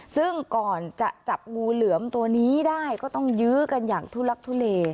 ซึ่งก่อนจะจับงูเหลือมตัวนี้ได้ก็ต้องยื้อกันอย่างทุลักทุเล